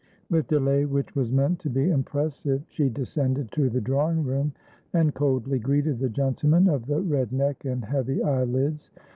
With delay which was meant to be impressive, she descended to the drawing room, and coldly greeted the gentleman of the red neck and heavy eyelids.